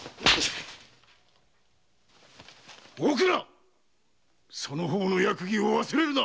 大蔵っその方の役儀を忘れるな！